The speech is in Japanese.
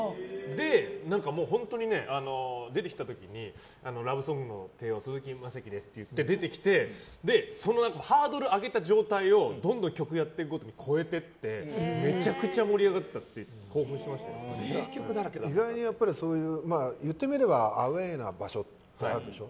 もう、本当に出てきた時にラブソングの帝王鈴木雅之ですって出てきてそのハードルを上げた状態をどんどん曲をやっていくごとに超えていって意外に、言ってみればアウェーな場所ってあるでしょ。